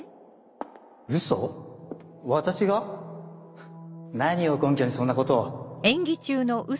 フッ何を根拠にそんなことを。